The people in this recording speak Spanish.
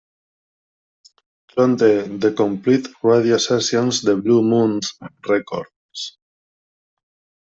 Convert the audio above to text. Clon de "The Complete Radio Sessions" de Blue Moon records.